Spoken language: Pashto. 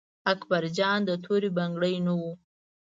اکبر جان د تورې بنګړي نه و.